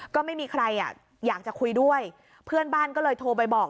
ก็ไม่มีใครอ่ะอยากจะคุยด้วยเพื่อนบ้านก็เลยโทรไปบอก